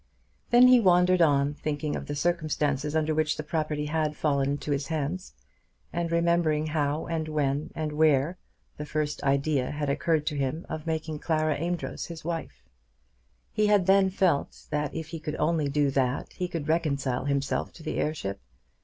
Then he wandered on, thinking of the circumstances under which the property had fallen into his hands, and remembering how and when and where the first idea had occurred to him of making Clara Amedroz his wife. He had then felt that if he could only do that he could reconcile himself to the heirship.